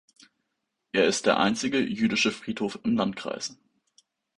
Er ist der einzige jüdische Friedhof im Landkreis.